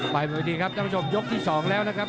มวยดีครับท่านผู้ชมยกที่๒แล้วนะครับ